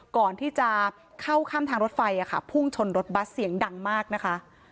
ก่อนที่จะเข้าข้ามทางรถไฟพุ่งชนรถบัสเสียงดังมากนะคะ